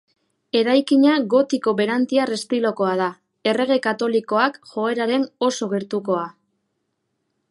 Eraikina gotiko berantiar estilokoa da, Errege Katolikoak joeraren oso gertukoa.